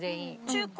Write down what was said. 中古？